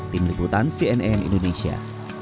tim liputan cnn indonesia